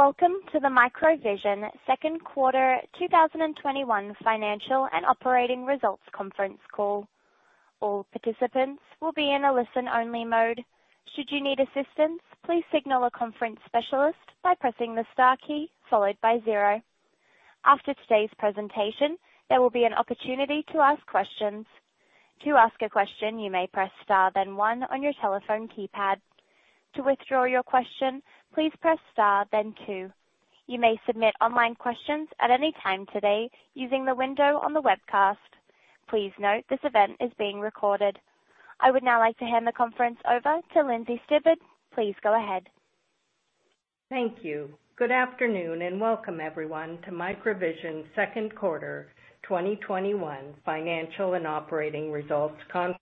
Welcome to the MicroVision second quarter 2021 financial and operating results conference call. I would now like to hand the conference over to Lindsey Stibbard. Please go ahead. Thank you. Good afternoon, and welcome everyone to MicroVision second quarter 2021 financial and operating results con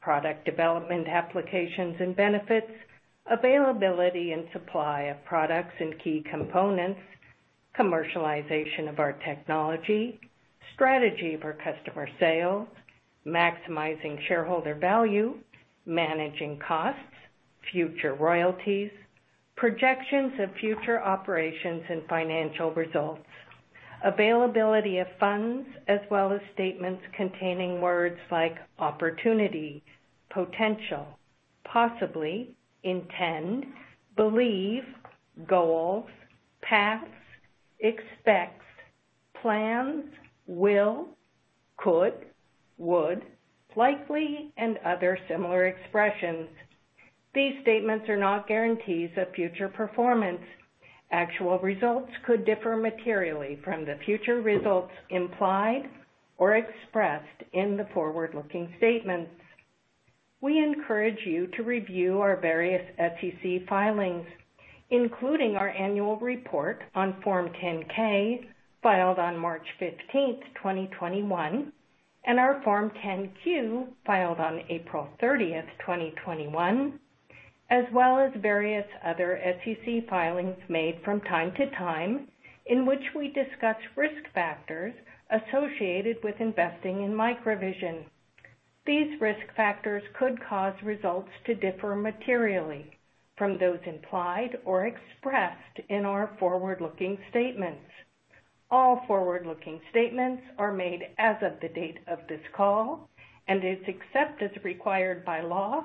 Product development applications and benefits, availability and supply of products and key components, commercialization of our technology, strategy for customer sales, maximizing shareholder value, managing costs, future royalties, projections of future operations and financial results, availability of funds, as well as statements containing words like opportunity, potential, possibly, intend, believe, goals, paths, expects, plans, will, could, would, likely, and other similar expressions. These statements are not guarantees of future performance. Actual results could differ materially from the future results implied or expressed in the forward-looking statements. We encourage you to review our various SEC filings, including our annual report on Form 10-K filed on March 15th, 2021, and our Form 10-Q filed on April 30th, 2021, as well as various other SEC filings made from time to time in which we discuss risk factors associated with investing in MicroVision. These risk factors could cause results to differ materially from those implied or expressed in our forward-looking statements. All forward-looking statements are made as of the date of this call. Except as required by law,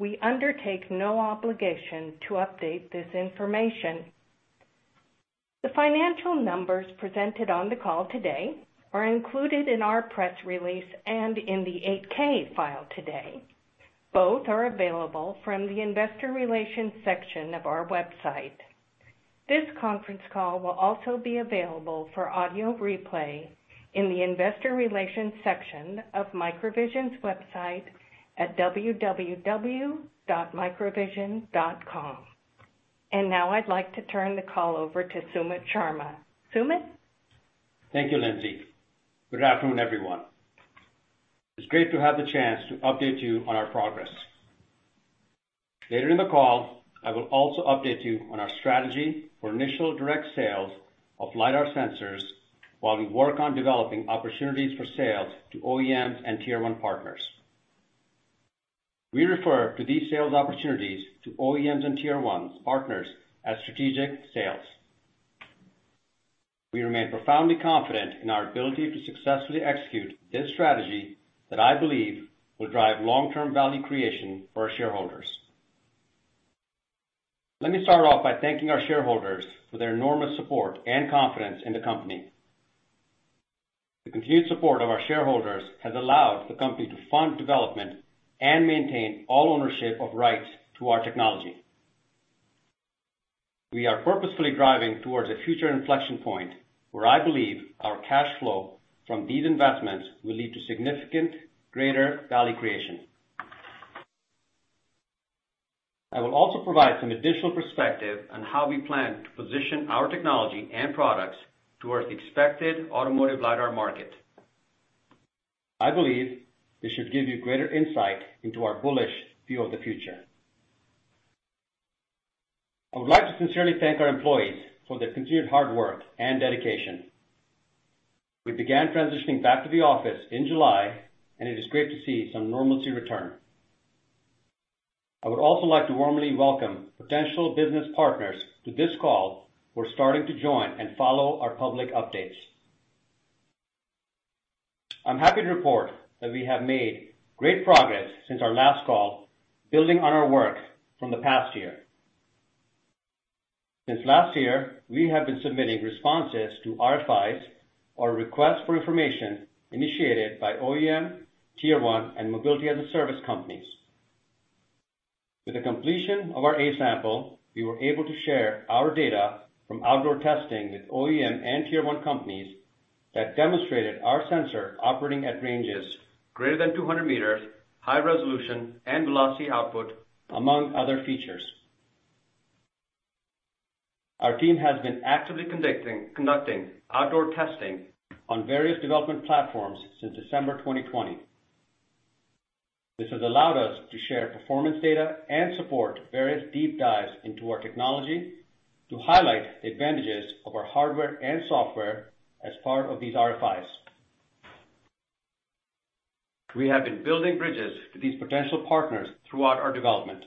we undertake no obligation to update this information. The financial numbers presented on the call today are included in our press release and in the 8-K filed today. Both are available from the investor relations section of our website. This conference call will also be available for audio replay in the investor relations section of MicroVision's website at www.microvision.com. Now I'd like to turn the call over to Sumit Sharma. Sumit? Thank you, Lindsey. Good afternoon, everyone. It's great to have the chance to update you on our progress. Later in the call, I will also update you on our strategy for initial direct sales of LiDAR sensors while we work on developing opportunities for sales to OEMs and Tier 1 partners. We refer to these sales opportunities to OEMs and Tier 1 partners as strategic sales. We remain profoundly confident in our ability to successfully execute this strategy that I believe will drive long-term value creation for our shareholders. Let me start off by thanking our shareholders for their enormous support and confidence in the company. The continued support of our shareholders has allowed the company to fund development and maintain all ownership of rights to our technology. We are purposefully driving towards a future inflection point where I believe our cash flow from these investments will lead to significant greater value creation. I will also provide some additional perspective on how we plan to position our technology and products towards the expected automotive LiDAR market. I believe this should give you greater insight into our bullish view of the future. I would like to sincerely thank our employees for their continued hard work and dedication. We began transitioning back to the office in July, and it is great to see some normalcy return. I would also like to warmly welcome potential business partners to this call who are starting to join and follow our public updates. I'm happy to report that we have made great progress since our last call, building on our work from the past year. Since last year, we have been submitting responses to RFIs or requests for information initiated by OEM, Tier 1, and mobility-as-a-service companies. With the completion of our A-sample, we were able to share our data from outdoor testing with OEM and Tier 1 companies that demonstrated our sensor operating at ranges greater than 200 meters, high resolution, and velocity output, among other features. Our team has been actively conducting outdoor testing on various development platforms since December 2020. This has allowed us to share performance data and support various deep dives into our technology to highlight the advantages of our hardware and software as part of these RFIs. We have been building bridges to these potential partners throughout our development.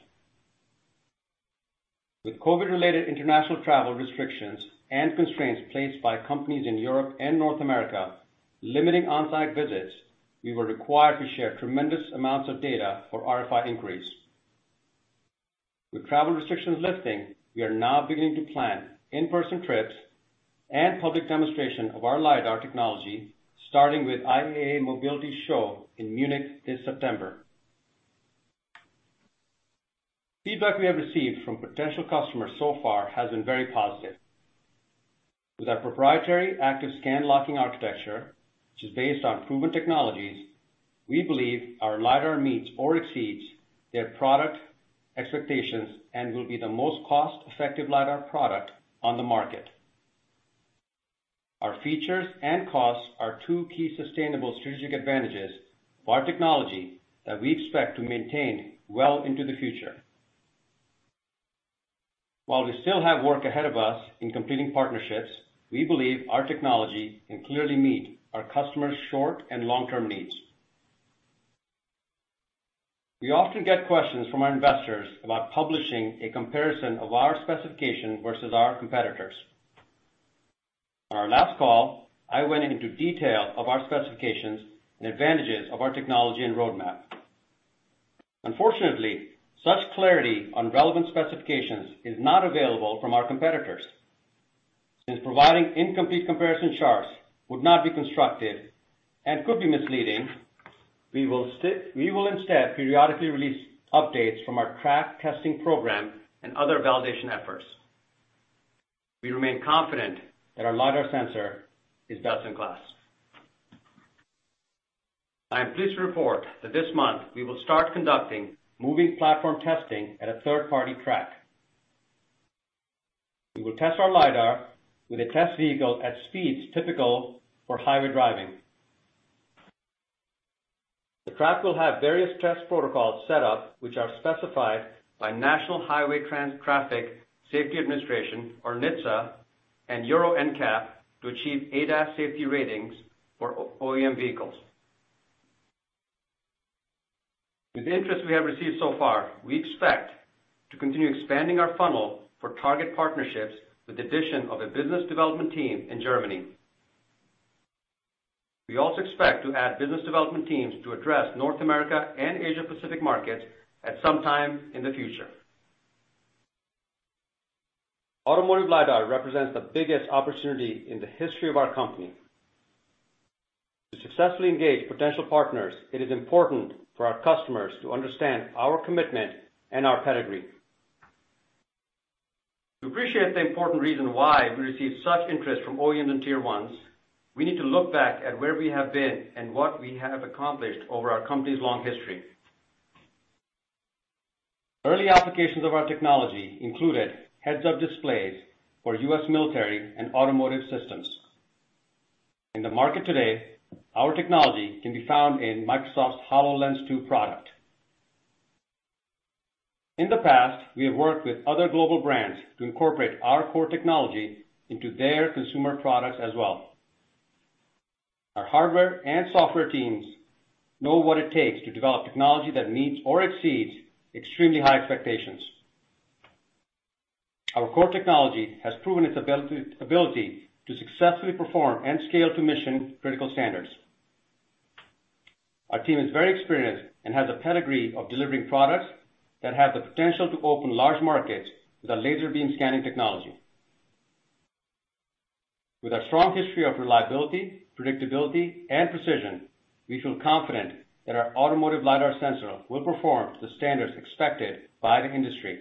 With COVID-related international travel restrictions and constraints placed by companies in Europe and North America limiting on-site visits, we were required to share tremendous amounts of data for RFI inquiries. With travel restrictions lifting, we are now beginning to plan in-person trips and public demonstration of our LiDAR technology, starting with IAA Mobility in Munich this September. Feedback we have received from potential customers so far has been very positive. With our proprietary active scan locking architecture, which is based on proven technologies, we believe our LiDAR meets or exceeds their product expectations and will be the most cost-effective LiDAR product on the market. Our features and costs are two key sustainable strategic advantages for our technology that we expect to maintain well into the future. While we still have work ahead of us in completing partnerships, we believe our technology can clearly meet our customers' short and long-term needs. We often get questions from our investors about publishing a comparison of our specifications versus our competitors. On our last call, I went into detail of our specifications and advantages of our technology and roadmap. Unfortunately, such clarity on relevant specifications is not available from our competitors. Since providing incomplete comparison charts would not be constructive and could be misleading, we will instead periodically release updates from our track testing program and other validation efforts. We remain confident that our LiDAR sensor is best in class. I am pleased to report that this month we will start conducting moving platform testing at a third-party track. We will test our LiDAR with a test vehicle at speeds typical for highway driving. The track will have various test protocols set up, which are specified by National Highway Traffic Safety Administration, or NHTSA, and Euro NCAP to achieve ADAS safety ratings for OEM vehicles. With the interest we have received so far, we expect to continue expanding our funnel for target partnerships with the addition of a business development team in Germany. We also expect to add business development teams to address North America and Asia Pacific markets at some time in the future. Automotive LiDAR represents the biggest opportunity in the history of our company. To successfully engage potential partners, it is important for our customers to understand our commitment and our pedigree. To appreciate the important reason why we receive such interest from OEMs and Tier 1s, we need to look back at where we have been and what we have accomplished over our company's long history. Early applications of our technology included heads-up displays for U.S. military and automotive systems. In the market today, our technology can be found in Microsoft's HoloLens 2 product. In the past, we have worked with other global brands to incorporate our core technology into their consumer products as well. Our hardware and software teams know what it takes to develop technology that meets or exceeds extremely high expectations. Our core technology has proven its ability to successfully perform and scale to mission-critical standards. Our team is very experienced and has a pedigree of delivering products that have the potential to open large markets with a laser beam scanning technology. With our strong history of reliability, predictability, and precision, we feel confident that our automotive LiDAR sensor will perform to the standards expected by the industry.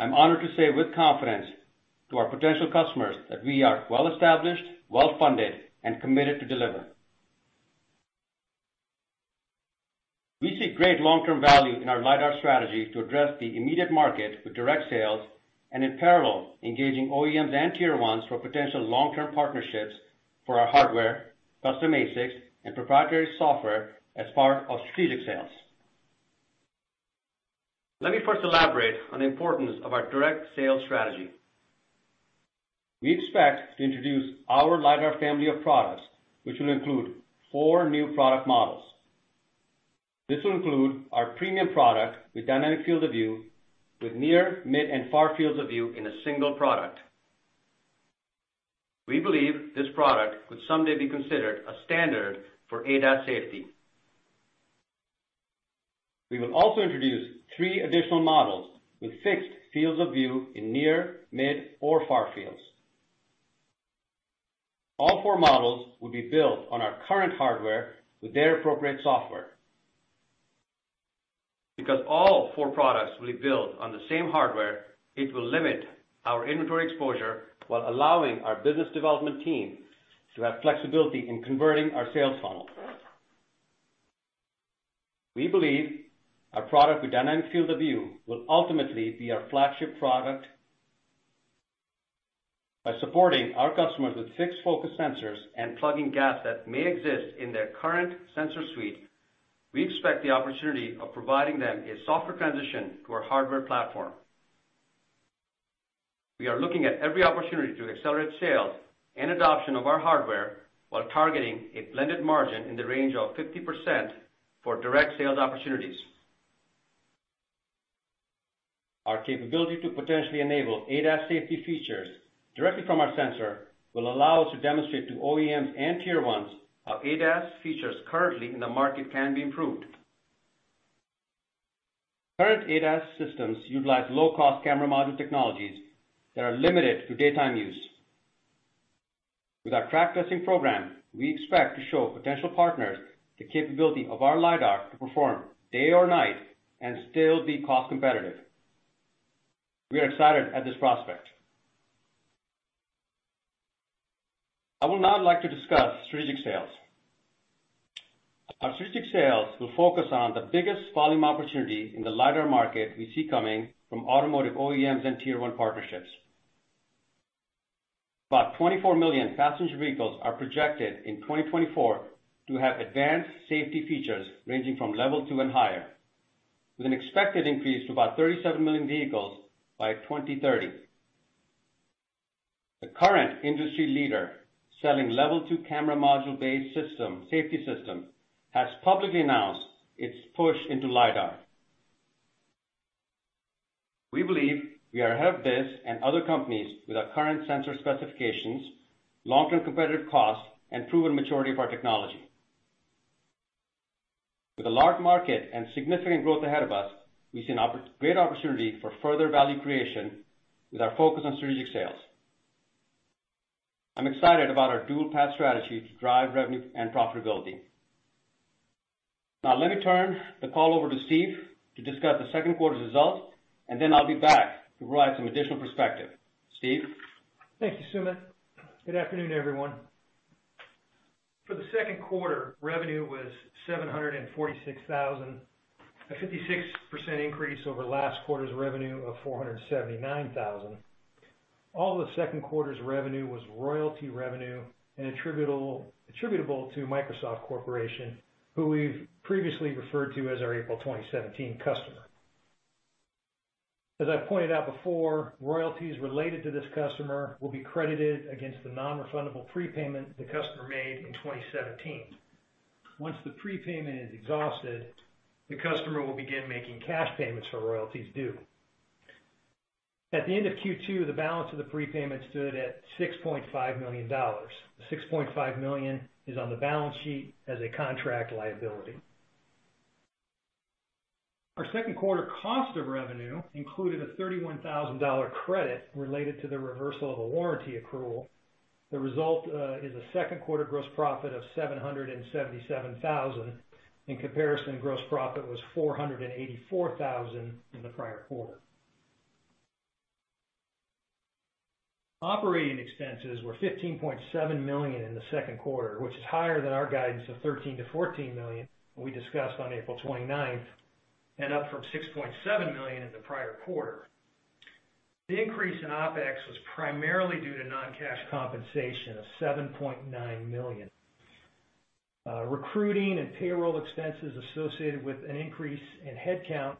I'm honored to say with confidence to our potential customers that we are well-established, well-funded, and committed to deliver. We see great long-term value in our LiDAR strategy to address the immediate market with direct sales, in parallel, engaging OEMs and Tier 1s for potential long-term partnerships for our hardware, custom ASICs, and proprietary software as part of strategic sales. Let me first elaborate on the importance of our direct sales strategy. We expect to introduce our LiDAR family of products, which will include four new product models. This will include our premium product with dynamic field of view with near, mid, and far fields of view in a single product. We believe this product could someday be considered a standard for ADAS safety. We will also introduce three additional models with fixed fields of view in near, mid, or far fields. All four models will be built on our current hardware with their appropriate software. Because all four products will be built on the same hardware, it will limit our inventory exposure while allowing our business development team to have flexibility in converting our sales funnel. We believe our product with dynamic field of view will ultimately be our flagship product. By supporting our customers with fixed focus sensors and plugging gaps that may exist in their current sensor suite, we expect the opportunity of providing them a software transition to our hardware platform. We are looking at every opportunity to accelerate sales and adoption of our hardware while targeting a blended margin in the range of 50% for direct sales opportunities. Our capability to potentially enable ADAS safety features directly from our sensor will allow us to demonstrate to OEMs and Tier 1s how ADAS features currently in the market can be improved. Current ADAS systems utilize low-cost camera module technologies that are limited to daytime use. With our track testing program, we expect to show potential partners the capability of our LiDAR to perform day or night and still be cost-competitive. We are excited at this prospect. I would now like to discuss strategic sales. Our strategic sales will focus on the biggest volume opportunity in the LiDAR market we see coming from automotive OEMs and Tier 1 partnerships. About 24 million passenger vehicles are projected in 2024 to have advanced safety features ranging from Level 2 and higher, with an expected increase to about 37 million vehicles by 2030. The current industry leader selling Level 2 camera module-based safety system has publicly announced its push into LiDAR. We believe we are ahead of this and other companies with our current sensor specifications, long-term competitive cost, and proven maturity of our technology. With a large market and significant growth ahead of us, we see a great opportunity for further value creation with our focus on strategic sales. I'm excited about our dual path strategy to drive revenue and profitability. Now, let me turn the call over to Steve to discuss the second quarter results, and then I'll be back to provide some additional perspective. Steve? Thank you, Sumit. Good afternoon, everyone. For the second quarter, revenue was $746,000, a 56% increase over last quarter's revenue of $479,000. All the second quarter's revenue was royalty revenue and attributable to Microsoft Corporation, who we've previously referred to as our April 2017 customer. As I pointed out before, royalties related to this customer will be credited against the non-refundable prepayment the customer made in 2017. Once the prepayment is exhausted, the customer will begin making cash payments for royalties due. At the end of Q2, the balance of the prepayment stood at $6.5 million. The $6.5 million is on the balance sheet as a contract liability. Our second quarter cost of revenue included a $31,000 credit related to the reversal of a warranty accrual. The result is a second quarter gross profit of $777,000. In comparison, gross profit was $484,000 in the prior quarter. Operating expenses were $15.7 million in the second quarter, which is higher than our guidance of $13 million-$14 million we discussed on April 29, and up from $6.7 million in the prior quarter. The increase in OpEx was primarily due to non-cash compensation of $7.9 million. Recruiting and payroll expenses associated with an increase in headcount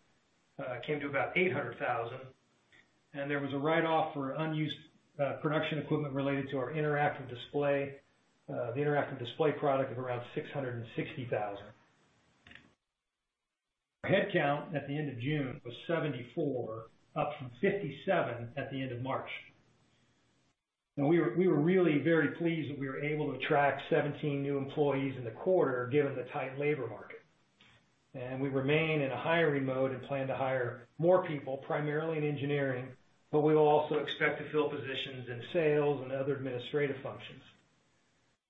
came to about $800,000, there was a write-off for unused production equipment related to our interactive display product of around $660,000. Our headcount at the end of June was 74, up from 57 at the end of March. We were really very pleased that we were able to attract 17 new employees in the quarter, given the tight labor market. We remain in a hiring mode and plan to hire more people, primarily in engineering, but we will also expect to fill positions in sales and other administrative functions.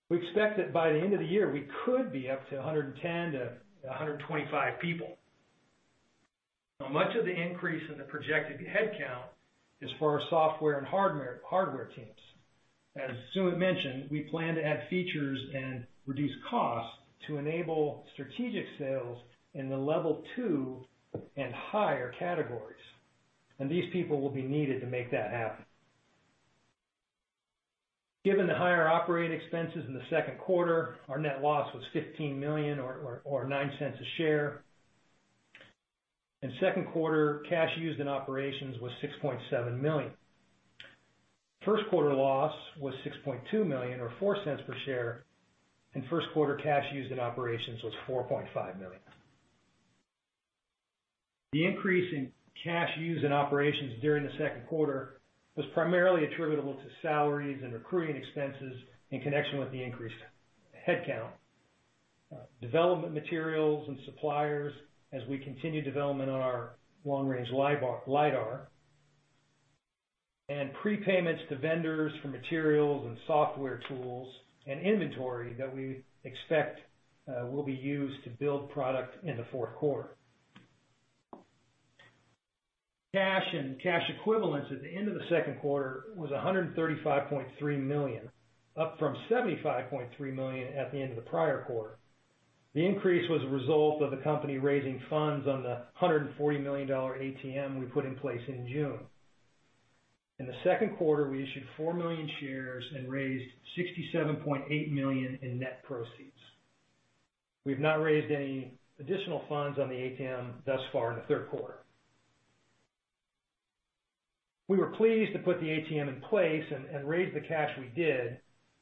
We expect that by the end of the year, we could be up to 110-125 people. Much of the increase in the projected headcount is for our software and hardware teams. As Sumit mentioned, we plan to add features and reduce costs to enable strategic sales in the Level 2 and higher categories, and these people will be needed to make that happen. Given the higher operating expenses in the second quarter, our net loss was $15 million or $0.09 a share. In second quarter, cash used in operations was $6.7 million. First-quarter loss was $6.2 million or $0.04 per share, and first-quarter cash used in operations was $4.5 million. The increase in cash used in operations during the second quarter was primarily attributable to salaries and recruiting expenses in connection with the increased headcount, development materials and suppliers as we continue development on our long-range LiDAR, and prepayments to vendors for materials and software tools and inventory that we expect will be used to build product in the fourth quarter. Cash and cash equivalents at the end of the second quarter was $135.3 million, up from $75.3 million at the end of the prior quarter. The increase was a result of the company raising funds on the $140 million ATM we put in place in June. In the second quarter, we issued 4 million shares and raised $67.8 million in net proceeds. We have not raised any additional funds on the ATM thus far in the third quarter. We were pleased to put the ATM in place and raise the cash we did,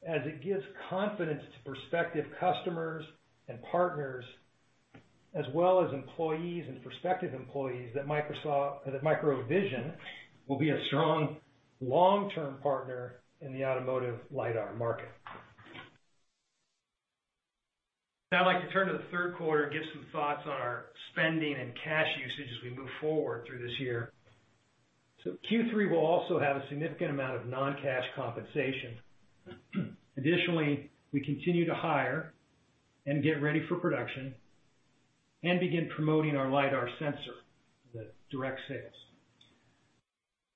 as it gives confidence to prospective customers and partners, as well as employees and prospective employees, that MicroVision will be a strong long-term partner in the automotive LiDAR market. I'd like to turn to the third quarter and give some thoughts on our spending and cash usage as we move forward through this year. Q3 will also have a significant amount of non-cash compensation. Additionally, we continue to hire and get ready for production and begin promoting our LiDAR sensor, the direct sales.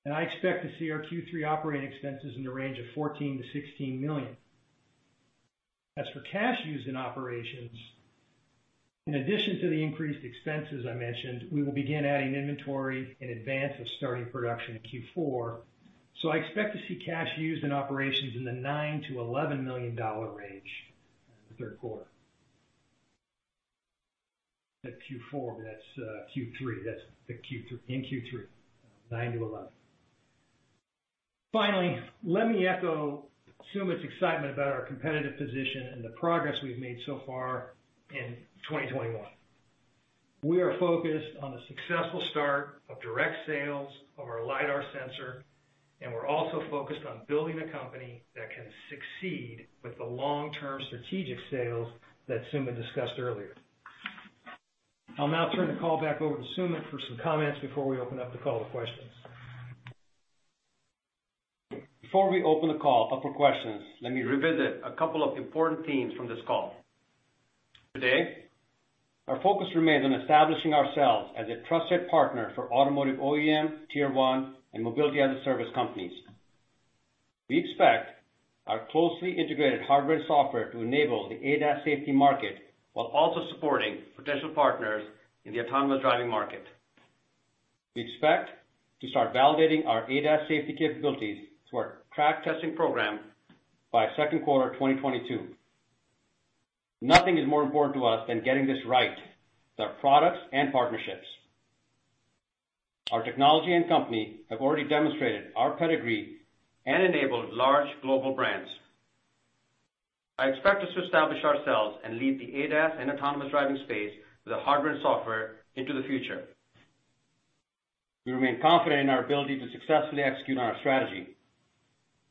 I expect to see our Q3 operating expenses in the range of $14 million-$16 million. As for cash use in operations, in addition to the increased expenses I mentioned, we will begin adding inventory in advance of starting production in Q4. I expect to see cash used in operations in the $9 million-$11 million range in the third quarter. Said Q4, but that's Q3. That's in Q3, 9-11. Finally, let me echo Sumit's excitement about our competitive position and the progress we've made so far in 2021. We are focused on the successful start of direct sales of our LiDAR sensor, and we're also focused on building a company that can succeed with the long-term strategic sales that Sumit discussed earlier. I'll now turn the call back over to Sumit for some comments before we open up the call to questions. Before we open the call up for questions, let me revisit a couple of important themes from this call. Today, our focus remains on establishing ourselves as a trusted partner for automotive OEM, Tier 1, and mobility-as-a-service companies. We expect our closely integrated hardware and software to enable the ADAS safety market while also supporting potential partners in the autonomous driving market. We expect to start validating our ADAS safety capabilities through our track testing program by second quarter 2022. Nothing is more important to us than getting this right, the products and partnerships. Our technology and company have already demonstrated our pedigree and enabled large global brands. I expect us to establish ourselves and lead the ADAS and autonomous driving space with the hardware and software into the future. We remain confident in our ability to successfully execute on our strategy.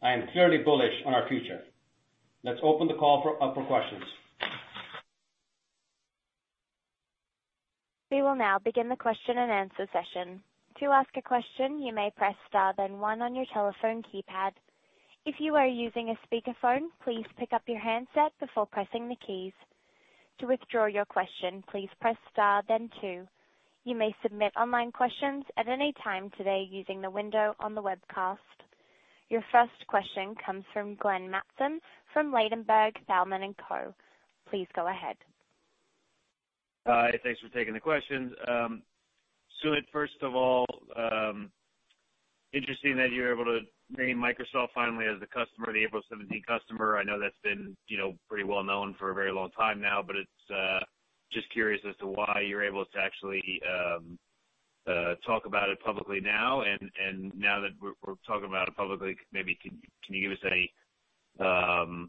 I am clearly bullish on our future. Let's open the call up for questions. We will now begin the question and answer session. To ask a question, you may press star, then one on your telephone keypad. If you are using a speakerphone, please pick up your handset before pressing the keys. To withdraw your question, please press star, then two. You may submit online questions at any time today using the window on the webcast. Your first question comes from Glenn Mattson from Ladenburg Thalmann & Co. Please go ahead. Hi. Thanks for taking the questions. Sumit, first of all, interesting that you're able to name Microsoft finally as the customer, the April 17 customer. I know that's been pretty well-known for a very long time now, just curious as to why you're able to actually talk about it publicly now. Now that we're talking about it publicly, maybe can you give us any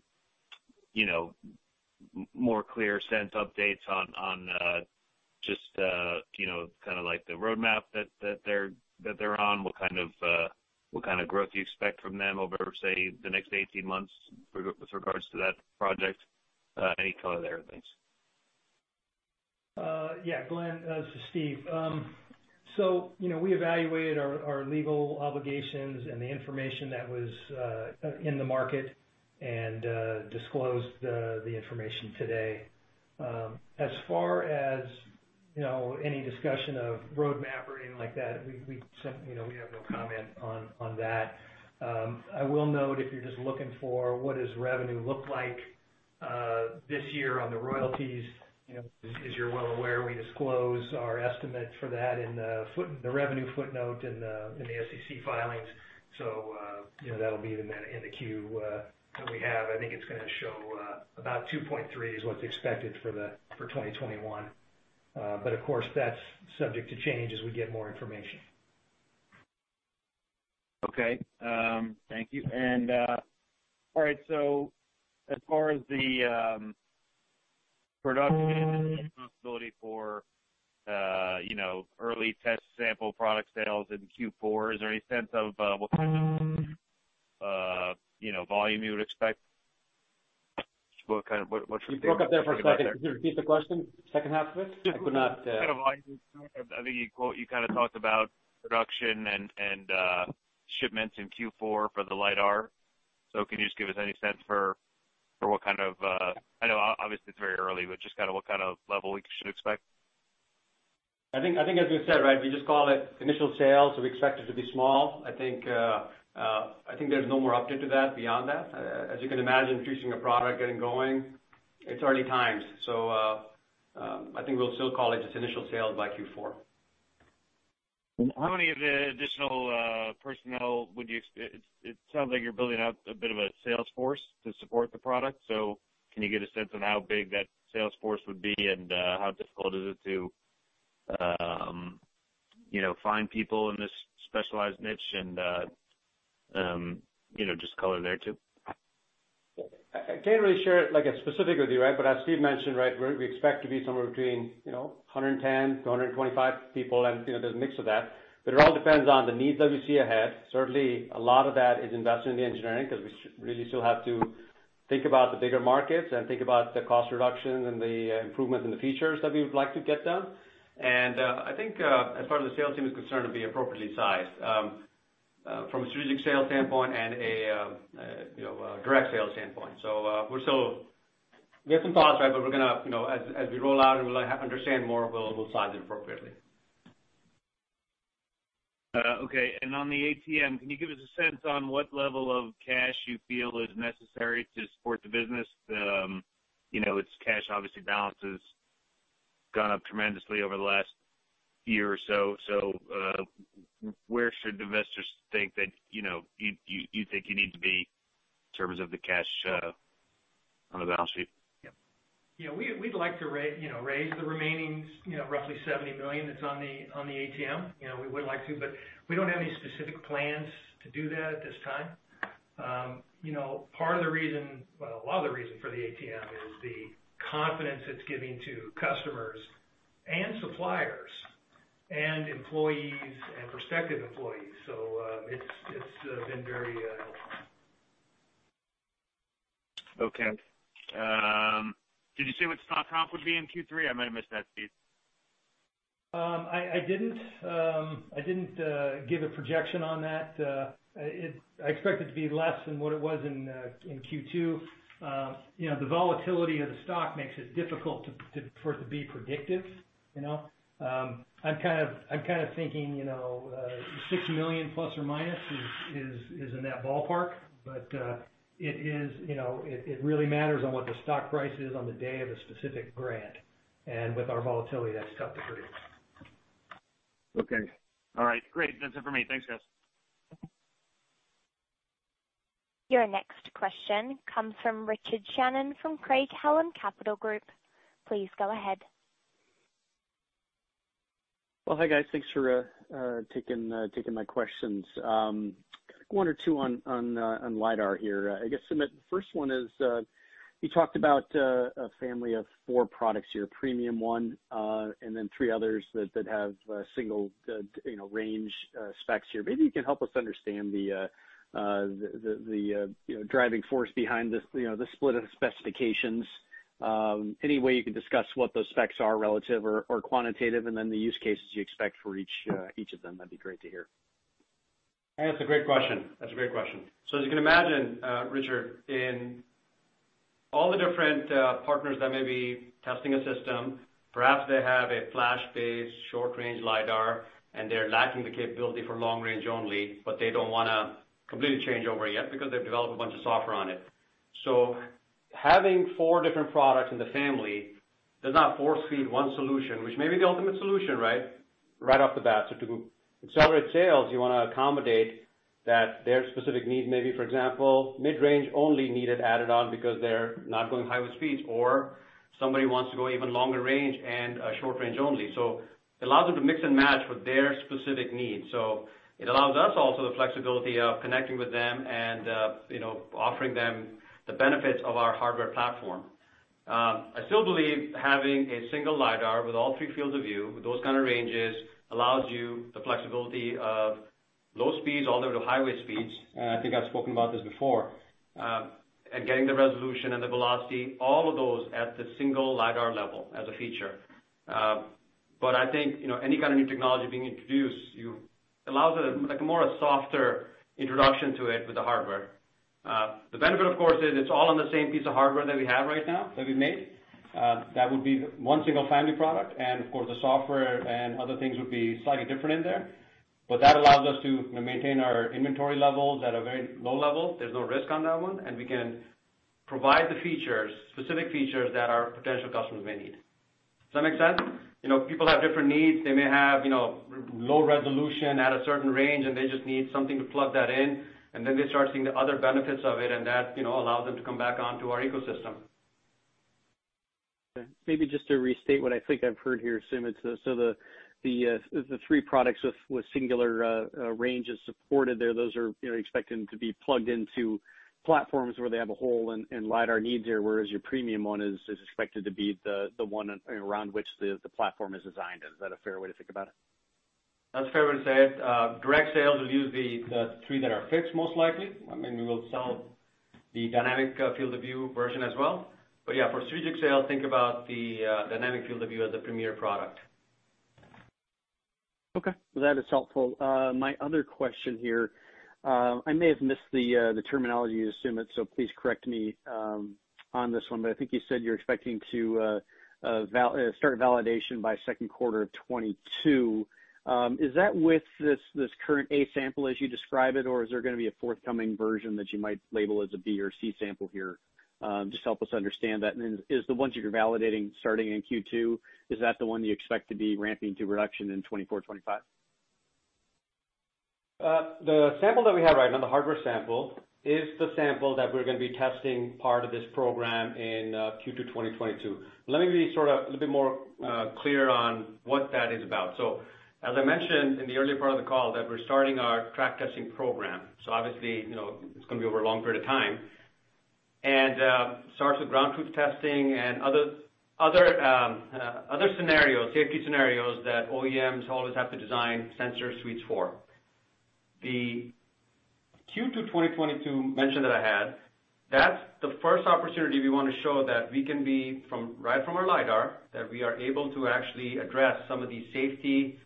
more clear sense updates on just the kind of roadmap that they're on? What kind of growth do you expect from them over, say, the next 18 months with regards to that project? Any color there? Thanks. Yeah, Glenn, this is Steve. We evaluated our legal obligations and the information that was in the market and disclosed the information today. As far as any discussion of a roadmap or anything like that, we have no comment on that. I will note, if you're just looking for what does revenue look like this year on the royalties, as you're well aware, we disclose our estimate for that in the revenue footnote in the SEC filings. That'll be in the queue that we have. I think it's going to show about $2.3 is what's expected for 2021. Of course, that's subject to change as we get more information. Okay. Thank you. All right, as far as the product-Early test sample product sales in Q4, is there any sense of what kind of volume you would expect? What should we look at there? You broke up there for a second. Could you repeat the question, second half of it? What kind of volume you expect? I think you kind of talked about production and shipments in Q4 for the LiDAR. Can you just give us any sense for what kind of, I know obviously it's very early, but just what kind of level we should expect? I think as we said, right, we just call it initial sales, so we expect it to be small. I think there's no more update to that beyond that. As you can imagine, producing a product, getting going, it's early times. I think we'll still call it just initial sales by Q4. How many of the additional personnel would you expect? It sounds like you're building out a bit of a sales force to support the product. Can you get a sense on how big that sales force would be and how difficult is it to find people in this specialized niche and just color there, too. I can't really share it like a specific with you, right? As Steve mentioned, right, we expect to be somewhere between 110-125 people and there's a mix of that. It all depends on the needs that we see ahead. Certainly, a lot of that is invested in the engineering because we really still have to think about the bigger markets and think about the cost reduction and the improvements in the features that we would like to get done. I think as far as the sales team is concerned, it'll be appropriately sized from a strategic sales standpoint and a direct sales standpoint. We have some thoughts, right? But as we roll out and we'll understand more, we'll size it appropriately. Okay. On the ATM, can you give us a sense on what level of cash you feel is necessary to support the business? Its cash obviously balances gone up tremendously over the last year or so. Where should investors think that you think you need to be in terms of the cash on the balance sheet? Yeah. We'd like to raise the remaining roughly $70 million that's on the ATM. We would like to, but we don't have any specific plans to do that at this time. Part of the reason, well, a lot of the reason for the ATM is the confidence it's giving to customers and suppliers and employees and prospective employees. It's been very helpful. Okay. Did you say what stock comp would be in Q3? I might have missed that, Steve. I didn't give a projection on that. I expect it to be less than what it was in Q2. The volatility of the stock makes it difficult for it to be predictive. I'm kind of thinking $6 million ± is in that ballpark. It really matters on what the stock price is on the day of a specific grant. With our volatility, that's tough to predict. Okay. All right. Great. That's it for me. Thanks, guys. Your next question comes from Richard Shannon from Craig-Hallum Capital Group. Please go ahead. Well, hi, guys. Thanks for taking my questions. One or two on LiDAR here. I guess, Sumit, the first one is, you talked about a family of four products here, premium one and then three others that have a single range specs here. Maybe you can help us understand the driving force behind the split of specifications. Any way you can discuss what those specs are relative or quantitative, and then the use cases you expect for each of them, that'd be great to hear. That's a great question. As you can imagine, Richard, in all the different partners that may be testing a system, perhaps they have a flash-based short-range LiDAR, and they're lacking the capability for long range only, but they don't want to completely change over yet because they've developed a bunch of software on it. Having four different products in the family does not force-feed one solution, which may be the ultimate solution, right off the bat. To accelerate sales, you want to accommodate that their specific needs may be, for example, mid-range only needed added on because they're not going highway speeds, or somebody wants to go even longer range and short range only. It allows them to mix and match with their specific needs. It allows us also the flexibility of connecting with them and offering them the benefits of our hardware platform. I still believe having a single LiDAR with all three fields of view with those kind of ranges allows you the flexibility of low speeds all the way to highway speeds, I think I've spoken about this before, and getting the resolution and the velocity, all of those at the single LiDAR level as a feature. I think any kind of new technology being introduced, it allows a softer introduction to it with the hardware. The benefit, of course, is it's all on the same piece of hardware that we have right now that we made. That would be one single family product, and of course, the software and other things would be slightly different in there. That allows us to maintain our inventory levels at a very low level. There's no risk on that one, and we can provide the features, specific features that our potential customers may need. Does that make sense? People have different needs. They may have low resolution at a certain range, and they just need something to plug that in, and then they start seeing the other benefits of it, and that allows them to come back onto our ecosystem. Maybe just to restate what I think I've heard here, Sumit. The three products with singular ranges supported there, those are expected to be plugged into platforms where they have a hole in LiDAR needs there, whereas your premium one is expected to be the one around which the platform is designed. Is that a fair way to think about it? That's fair. When said direct sales will use the three that are fixed most likely. We will sell the dynamic field of view version as well. Yeah, for strategic sales, think about the dynamic field of view as the premier product. Okay. That is helpful. My other question here, I may have missed the terminology you assume it, so please correct me on this one. I think you said you're expecting to start validation by second quarter of 2022. Is that with this current A-sample as you describe it, or is there going to be a forthcoming version that you might label as a B or C sample here? Just help us understand that. Is the ones that you're validating starting in Q2, is that the one you expect to be ramping to production in 2024, 2025? The sample that we have right now, the hardware sample, is the sample that we're going to be testing part of this program in Q2 2022. Let me be sort of a little bit more clear on what that is about. As I mentioned in the earlier part of the call that we're starting our track testing program. Obviously, it's going to be over a long period of time and starts with ground truth testing and other scenarios, safety scenarios that OEMs always have to design sensor suites for. The Q2 2022 mention that I had, that's the first opportunity we want to show that we can be, right from our LiDAR, that we are able to actually address some of these safety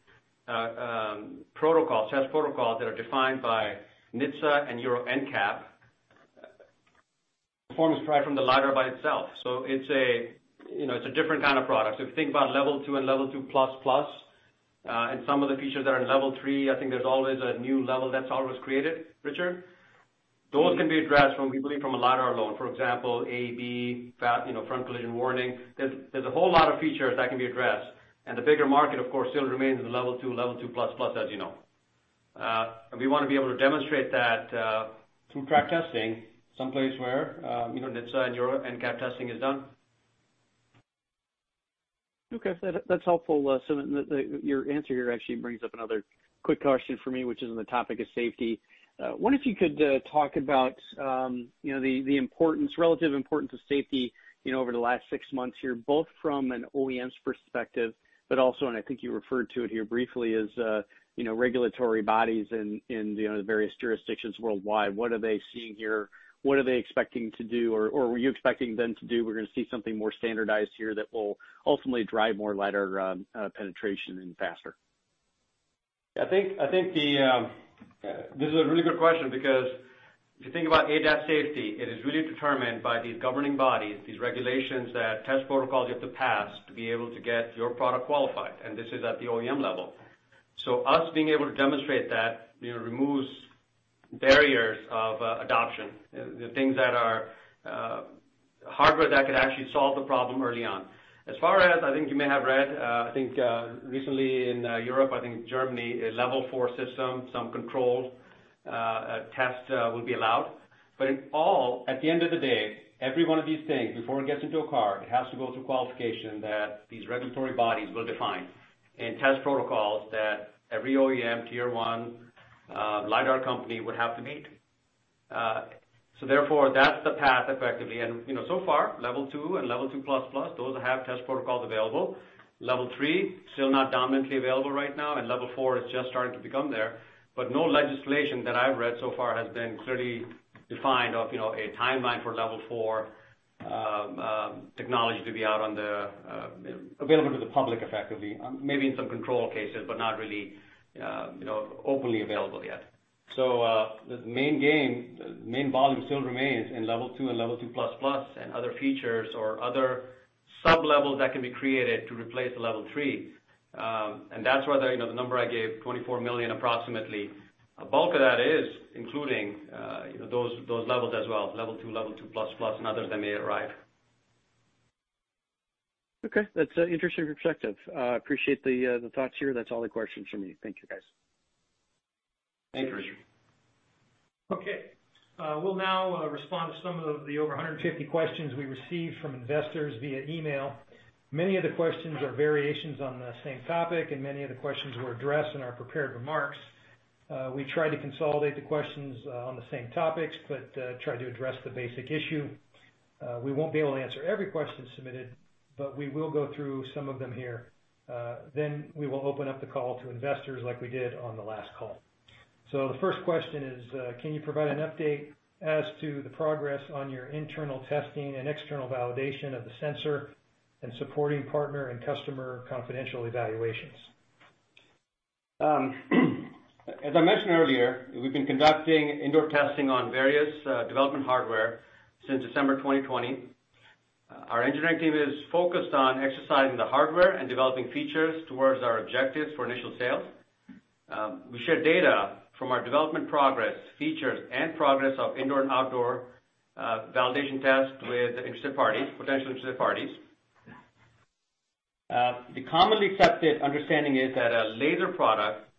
protocols, test protocols that are defined by NHTSA and Euro NCAP performs right from the LiDAR by itself. It's a different kind of product. If you think about Level 2 and Level 2++, and some of the features that are in Level 3, I think there's always a new level that's always created, Richard. Those can be addressed from, we believe from a LiDAR alone. For example, AEB, front collision warning. There's a whole lot of features that can be addressed. The bigger market of course, still remains in the Level 2, Level 2++, as you know. We want to be able to demonstrate that through track testing someplace where NHTSA and Euro NCAP testing is done. That's helpful. Your answer here actually brings up another quick question for me, which is on the topic of safety. Wonder if you could talk about the relative importance of safety over the last six months here, both from an OEM's perspective, but also, I think you referred to it here briefly, is regulatory bodies in the various jurisdictions worldwide. What are they seeing here? What are they expecting to do? Were you expecting them to do, we're going to see something more standardized here that will ultimately drive more LiDAR penetration and faster? This is a really good question because if you think about ADAS safety, it is really determined by these governing bodies, these regulations that test protocols you have to pass to be able to get your product qualified. This is at the OEM level. Us being able to demonstrate that removes barriers of adoption, the things that are hardware that could actually solve the problem early on. As far as, I think you may have read, I think, recently in Europe, I think Germany, a Level 4 system, some controlled tests will be allowed. In all, at the end of the day, every one of these things, before it gets into a car, it has to go through qualification that these regulatory bodies will define and test protocols that every OEM Tier 1 LiDAR company would have to meet. Therefore, that's the path effectively. So far, level and Level 2++, those have test protocols available. Level 3, still not dominantly available right now. Level 4 is just starting to become there. No legislation that I've read so far has been clearly defined of a timeline for Level 4 technology to be available to the public effectively. Maybe in some controlled cases, but not really openly available yet. The main game, the main volume still remains in Level 2 and Level 2 plus plus and other features or other sub-levels that can be created to replace the Level 3s. That's where the number I gave, 24 million approximately. A bulk of that is including those levels as well, Level 2, Level 2++ and others that may arrive. Okay. That's an interesting perspective. I appreciate the thoughts here. That's all the questions from me. Thank you, guys. Thanks, Richard. Okay. We'll now respond to some of the over 150 questions we received from investors via email. Many of the questions are variations on the same topic, many of the questions were addressed in our prepared remarks. We tried to consolidate the questions on the same topics, tried to address the basic issue. We won't be able to answer every question submitted, we will go through some of them here. We will open up the call to investors like we did on the last call. The first question is, can you provide an update as to the progress on your internal testing and external validation of the sensor and supporting partner and customer confidential evaluations? As I mentioned earlier, we've been conducting indoor testing on various development hardware since December 2020. Our engineering team is focused on exercising the hardware and developing features towards our objectives for initial sales. We share data from our development progress, features, and progress of indoor and outdoor validation tests with interested parties, potential interested parties. The commonly accepted understanding is that a laser product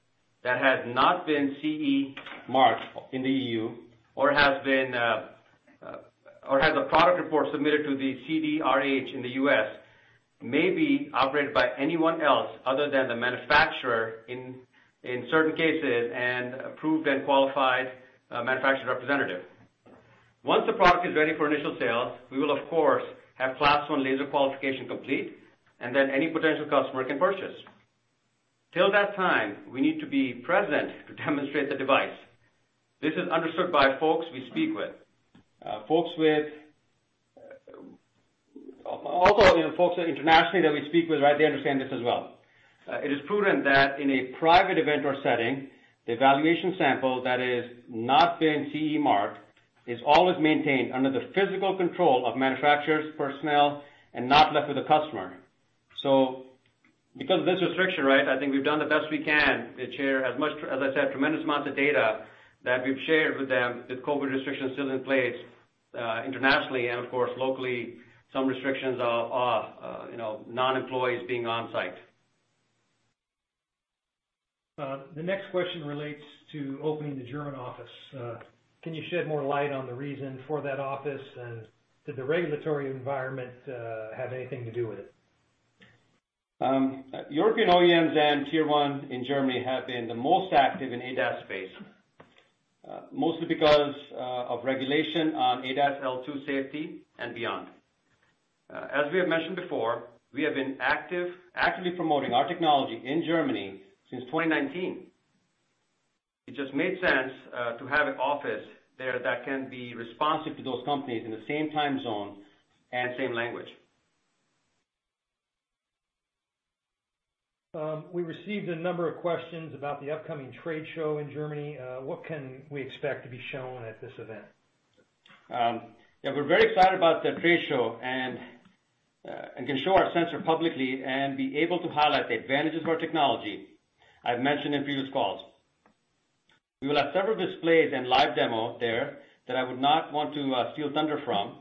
that has not been CE marked in the EU or has a product report submitted to the CDRH in the U.S. may be operated by anyone else other than the manufacturer in certain cases and approved and qualified manufacturer's representative. Once the product is ready for initial sale, we will of course have Class 1 laser qualification complete, and then any potential customer can purchase. Till that time, we need to be present to demonstrate the device. This is understood by folks we speak with. Folks internationally that we speak with, they understand this as well. It is prudent that in a private event or setting, the evaluation sample that is not been CE marked is always maintained under the physical control of manufacturer's personnel and not left with the customer. Because of this restriction, I think we've done the best we can to share, as I said, tremendous amounts of data that we've shared with them, with COVID restrictions still in place internationally and of course, locally, some restrictions are off non-employees being on site. The next question relates to opening the German office. Can you shed more light on the reason for that office? Did the regulatory environment have anything to do with it? European OEMs and Tier 1 in Germany have been the most active in ADAS space. Mostly because of regulation on ADAS L2 safety and beyond. As we have mentioned before, we have been actively promoting our technology in Germany since 2019. It just made sense to have an office there that can be responsive to those companies in the same time zone and same language. We received a number of questions about the upcoming trade show in Germany. What can we expect to be shown at this event? Yeah, we're very excited about the trade show, and can show our sensor publicly and be able to highlight the advantages of our technology I've mentioned in previous calls. We will have several displays and live demo there that I would not want to steal thunder from.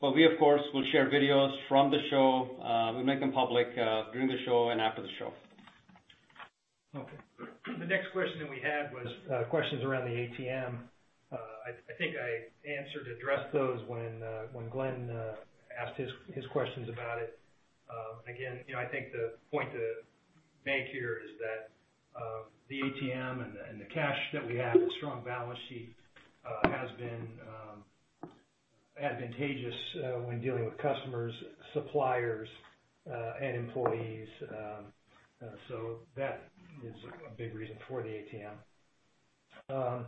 We, of course, will share videos from the show. We'll make them public during the show and after the show. The next question that we had was questions around the ATM. I think I answered, addressed those when Glenn asked his questions about it. I think the point to make here is that the ATM and the cash that we have, the strong balance sheet, has been advantageous when dealing with customers, suppliers, and employees. That is a big reason for the ATM.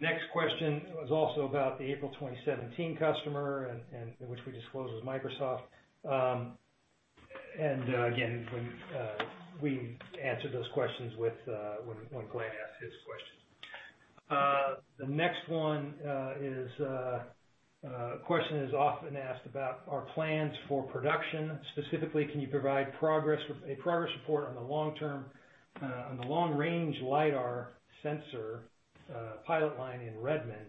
Next question was also about the April 2017 customer, and which we disclosed was Microsoft. We answered those questions when Glenn asked his questions. The next one is a question that is often asked about our plans for production. Specifically, can you provide a progress report on the long range LiDAR sensor pilot line in Redmond,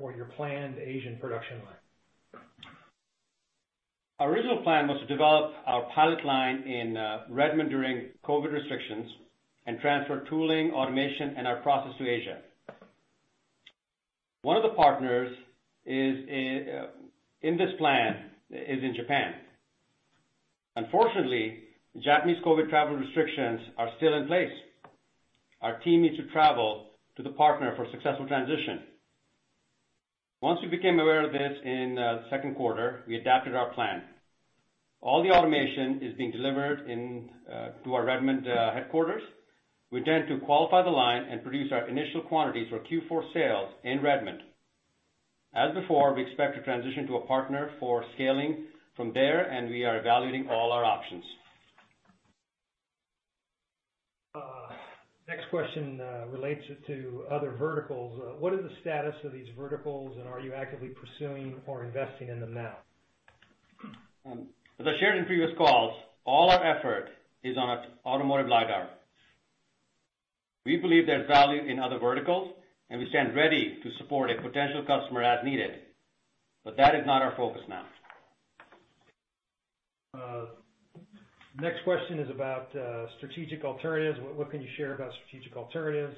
or your planned Asian production line? Our original plan was to develop our pilot line in Redmond during COVID restrictions and transfer tooling, automation, and our process to Asia. One of the partners in this plan is in Japan. Unfortunately, Japanese COVID travel restrictions are still in place. Our team needs to travel to the partner for successful transition. Once we became aware of this in the second quarter, we adapted our plan. All the automation is being delivered to our Redmond headquarters. We intend to qualify the line and produce our initial quantities for Q4 sales in Redmond. As before, we expect to transition to a partner for scaling from there, and we are evaluating all our options. Next question relates to other verticals. What are the status of these verticals, and are you actively pursuing or investing in them now? As I shared in previous calls, all our effort is on our automotive LiDAR. We believe there's value in other verticals, and we stand ready to support a potential customer as needed. That is not our focus now. Next question is about strategic alternatives. What can you share about strategic alternatives?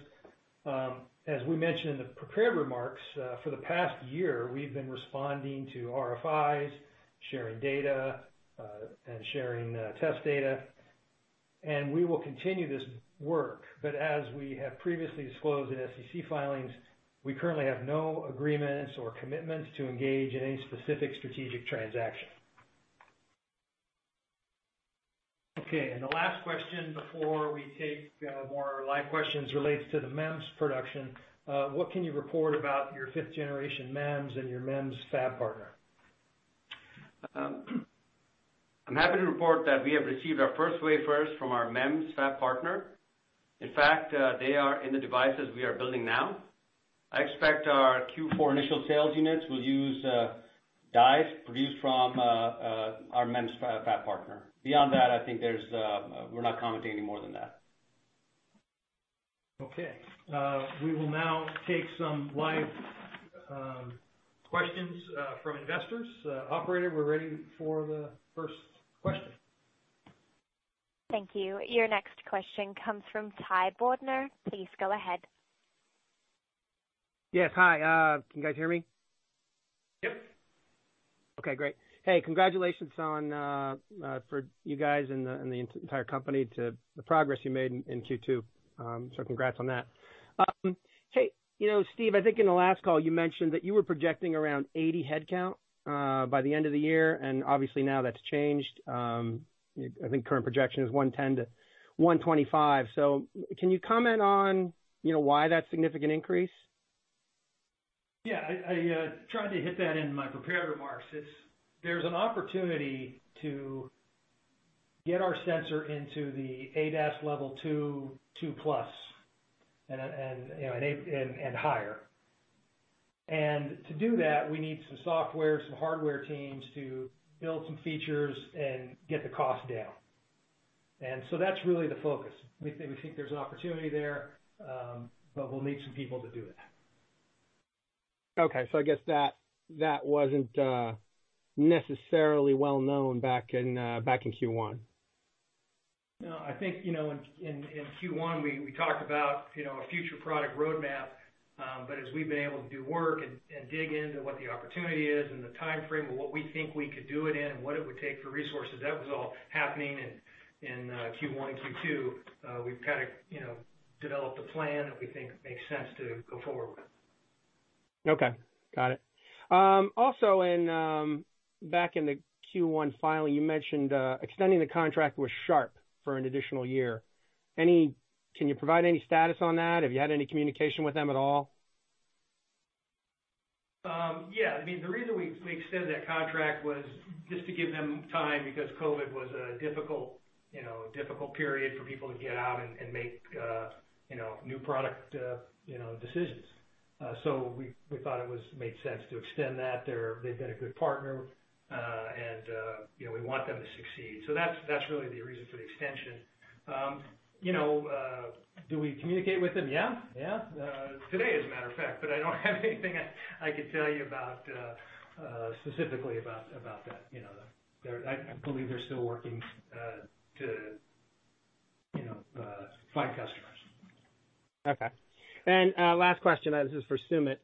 As we mentioned in the prepared remarks, for the past year, we've been responding to RFIs, sharing data, and sharing test data. We will continue this work, but as we have previously disclosed in SEC filings, we currently have no agreements or commitments to engage in any specific strategic transaction. The last question before we take more live questions relates to the MEMS production. What can you report about your fifth generation MEMS and your MEMS fab partner? I'm happy to report that we have received our first wafers from our MEMS fab partner. In fact, they are in the devices we are building now. I expect our Q4 initial sales units will use dies produced from our MEMS fab partner. Beyond that, we're not commenting any more than that. Okay. We will now take some live questions from investors. Operator, we are ready for the first question. Thank you. Your next question comes from Ty Bordner. Please go ahead. Yes. Hi. Can you guys hear me? Yep. Okay, great. Hey, congratulations for you guys and the entire company to the progress you made in Q2. Congrats on that. Hey, Steve, I think in the last call you mentioned that you were projecting around 80 headcount by the end of the year, obviously now that's changed. I think current projection is 110-125. Can you comment on why that significant increase? Yeah, I tried to hit that in my prepared remarks. There's an opportunity to get our sensor into the ADAS level 2 plus, and higher. To do that, we need some software, some hardware teams to build some features and get the cost down. That's really the focus. We think there's an opportunity there, but we'll need some people to do it. Okay. I guess that wasn't necessarily well known back in Q1. I think in Q1 we talked about a future product roadmap. As we've been able to do work and dig into what the opportunity is and the timeframe of what we think we could do it in and what it would take for resources, that was all happening in Q1 and Q2. We've kind of developed a plan that we think makes sense to go forward with. Okay. Got it. Back in the Q1 filing, you mentioned extending the contract with Sharp for an additional year. Can you provide any status on that? Have you had any communication with them at all? Yeah. The reason we extended that contract was just to give them time because COVID was a difficult period for people to get out and make new product decisions. We thought it made sense to extend that. They've been a good partner, and we want them to succeed. That's really the reason for the extension. Do we communicate with them? Yeah. Today, as a matter of fact, but I don't have anything I could tell you specifically about that. I believe they're still working to find customers. Okay. Last question, this is for Sumit.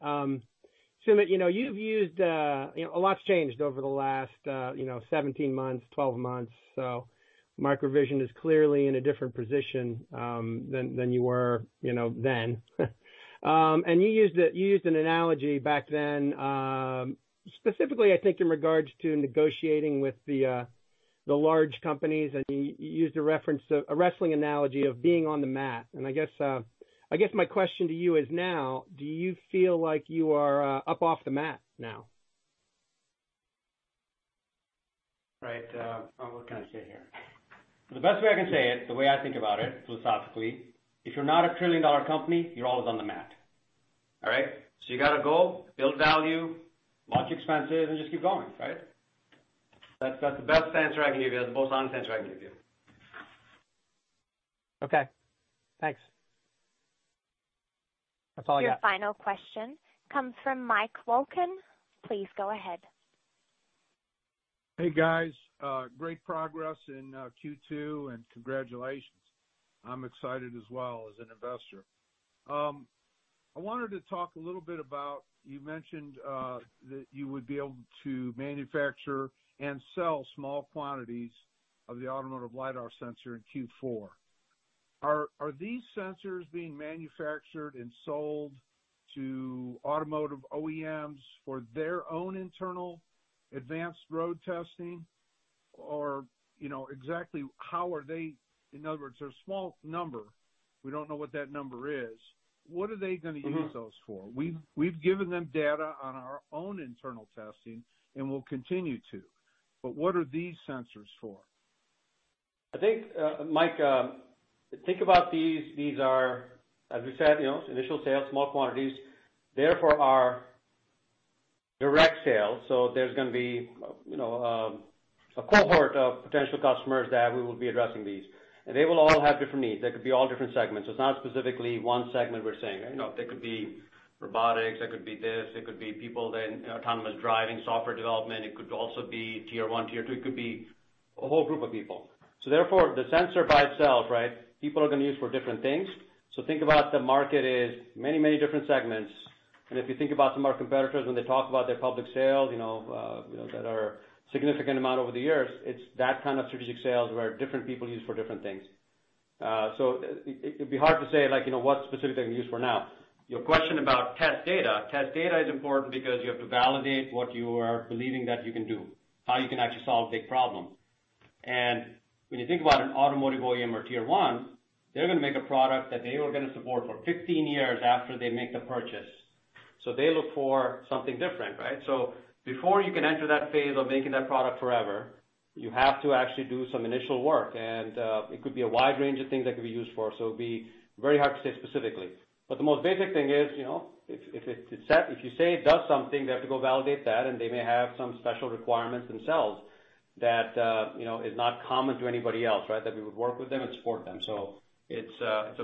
Sumit, a lot's changed over the last 17 months, 12 months. MicroVision is clearly in a different position than you were then. You used an analogy back then, specifically I think in regards to negotiating with the large companies, and you used a wrestling analogy of being on the mat. I guess my question to you is now, do you feel like you are up off the mat now? Right. What can I say here? The best way I can say it, the way I think about it philosophically, if you're not a trillion-dollar company, you're always on the mat. All right? You got to go build value, watch expenses, and just keep going, right? That's the best answer I can give you, that's the most honest answer I can give you. Okay, thanks. That's all I got. Your final question comes from Mike Wolken. Please go ahead. Hey, guys. Great progress in Q2, congratulations. I'm excited as well as an investor. I wanted to talk a little bit about, you mentioned that you would be able to manufacture and sell small quantities of the automotive LiDAR sensor in Q4. Are these sensors being manufactured and sold to automotive OEMs for their own internal advanced road testing? Exactly, in other words, they're a small number. We don't know what that number is. What are they going to use those for? We've given them data on our own internal testing, and we'll continue to, but what are these sensors for? Mike, think about these are, as we said, initial sales, small quantities, therefore are direct sales. There's going to be a cohort of potential customers that we will be addressing these. They will all have different needs. They could be all different segments. It's not specifically one segment we're saying. They could be robotics, it could be this, it could be people in autonomous driving, software development. It could also be Tier 1, Tier 2. It could be a whole group of people. Therefore, the sensor by itself, people are going to use for different things. Think about the market as many, many different segments. If you think about some of our competitors when they talk about their public sales that are significant amount over the years, it's that kind of strategic sales where different people use for different things. It'd be hard to say what specific they can use for now. Your question about test data. Test data is important because you have to validate what you are believing that you can do, how you can actually solve big problems. When you think about an automotive OEM or Tier 1, they're going to make a product that they are going to support for 15 years after they make the purchase. They look for something different, right? Before you can enter that phase of making that product forever, you have to actually do some initial work. It could be a wide range of things that could be used for. It'd be very hard to say specifically. The most basic thing is if you say it does something, they have to go validate that, and they may have some special requirements themselves that is not common to anybody else. That we would work with them and support them. It's a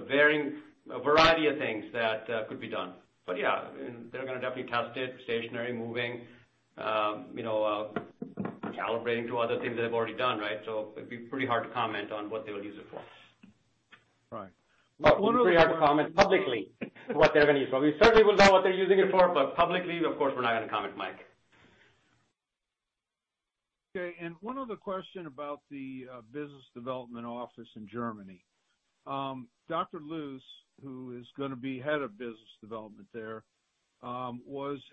variety of things that could be done. Yeah, they're going to definitely test it, stationary, moving, calibrating to other things they've already done. It'd be pretty hard to comment on what they will use it for. Right. We are not going to comment publicly what they're going to use. We certainly will know what they're using it for, but publicly, of course, we're not going to comment, Mike. Okay, one other question about the business development office in Germany. Thomas Luce, who is going to be head of business development there,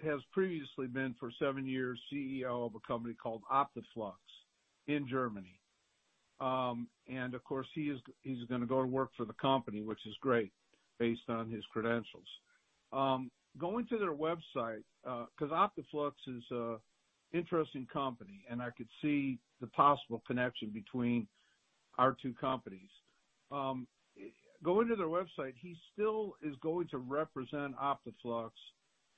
has previously been for seven years CEO of a company called Optoflux in Germany. Of course, he's going to go and work for the company, which is great based on his credentials. Going to their website, because Optoflux is an interesting company, and I could see the possible connection between our two companies. Going to their website, he still is going to represent Optoflux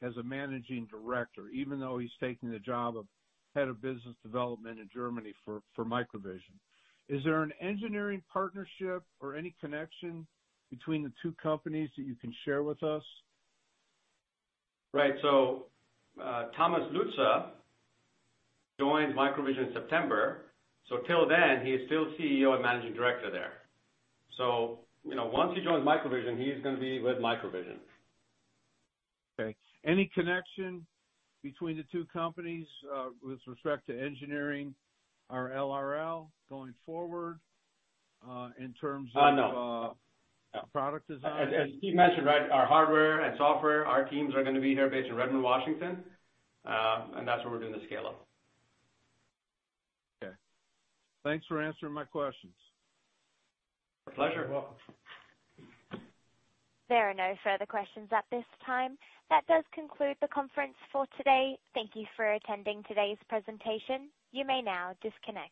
as a managing director, even though he's taking the job of head of business development in Germany for MicroVision. Is there an engineering partnership or any connection between the two companies that you can share with us? Right. Thomas Luce joined MicroVision in September. Till then, he is still CEO and Managing Director there. Once he joins MicroVision, he is going to be with MicroVision. Okay. Any connection between the two companies, with respect to engineering or LRL going forward? No Product design? As Steve mentioned, our hardware and software, our teams are going to be here based in Redmond, Washington. That's where we're doing the scale up. Okay. Thanks for answering my questions. Pleasure. Welcome. There are no further questions at this time. That does conclude the conference for today. Thank you for attending today's presentation. You may now disconnect.